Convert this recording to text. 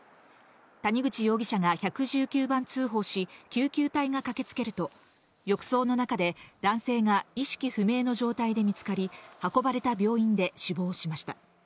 谷口容疑者が１１９番通報し、救急隊が駆けつけると、浴槽の中で男性が意識不明の状態で見つかり、運ばれた病院で死亡しました。